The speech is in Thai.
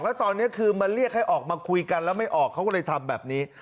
แล้วตอนนี้คือมาเรียกให้ออกมาคุยกันแล้วไม่ออกเขาก็เลยทำแบบนี้